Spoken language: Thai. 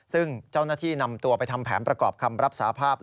ซึ่งเจ้าหน้าที่นำตัวไปทำแผนประกอบคำรับสาภาพ